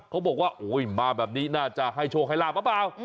เขาบอกว่ามาแบบนี้น่าจะให้โชคให้ล่าเปล่า